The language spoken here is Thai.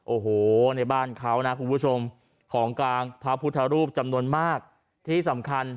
โอ้โหในบ้านเขานะคุณผู้ชมของกลางพระพุทธรูปจำนวนมากที่สำคัญ